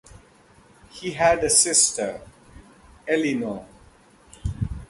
He had a sister, Eleanor.